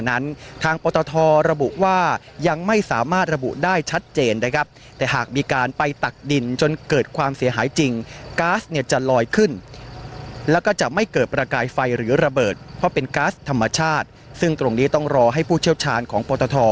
นั้นทางพรททอระบุว่ายังไม่สามารถระบุได้ชัดเจนได้ครับแต่หากมีการไปตักดินจนเกิดความเสียหายจริง